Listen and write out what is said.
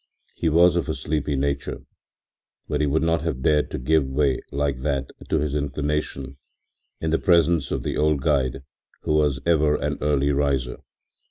He was of a sleepy nature, but he would not have dared to give way like that to his inclination in the presence of the old guide, who was ever an early riser.